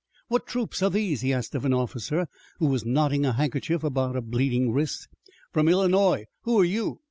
"What troops are these?" he asked of an officer who was knotting a handkerchief about a bleeding wrist. "From Illinois. Who are you?"